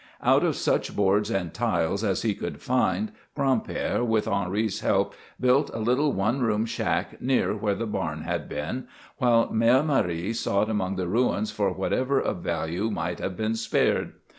Out of such boards and tiles as he could find, Gran'père, with Henri's help, built a little one room shack near where the barn had been, while Mère Marie sought among the ruins for whatever of value might have been spared.